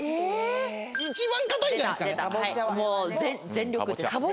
一番硬いんじゃないですかね。